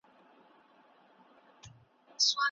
زما زړه هم افغانستان شو نه جوړېږي اشنا